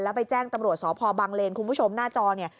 แล้วไปแจ้งตำรวจสพบังเลนคุณผู้ชมหน้าจอเนี่ย